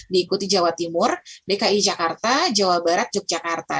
diikuti jawa timur dki jakarta jawa barat yogyakarta